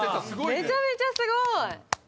めちゃめちゃすごい！